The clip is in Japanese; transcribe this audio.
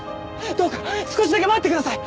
どうか少しだけ待ってください！